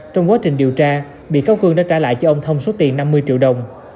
trong quá trình điều tra bị cáo cương đã trả lại cho ông thông số tiền năm mươi triệu đồng